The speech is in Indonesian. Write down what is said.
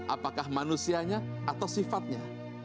apakah manusianya atau sifatnya